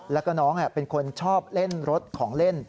แล้วก็น้องเป็นคนชอบเล่นรถของเล่น